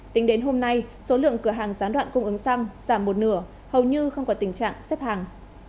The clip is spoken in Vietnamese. tính đến hôm nay số lượng cửa hàng gián đoạn cung ứng xăng giảm một nửa hầu như không có tình trạng xếp hàng